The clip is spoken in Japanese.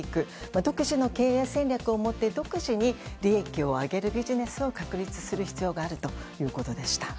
独自の経営戦略を持って独自に利益を上げるビジネスモデルを確立する必要があるということでした。